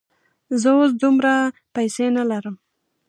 زه اوس دومره پیسې نه لرم.